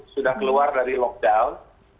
sudah keluar dari lockdown